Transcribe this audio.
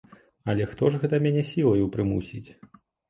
Але хто ж гэта мяне сілаю прымусіць?